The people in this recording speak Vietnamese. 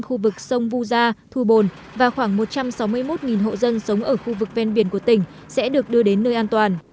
khu vực sông vu gia thu bồn và khoảng một trăm sáu mươi một hộ dân sống ở khu vực ven biển của tỉnh sẽ được đưa đến nơi an toàn